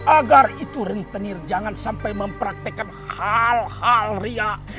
agar itu rentenir jangan sampai mempraktekkan hal hal riak